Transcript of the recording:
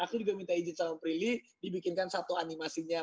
aku juga minta izin sama prilly dibikinkan satu animasinya